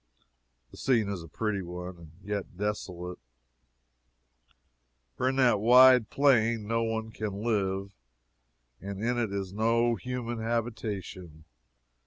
The scene is a pretty one, and yet desolate for in that wide plain no man can live, and in it is no human habitation.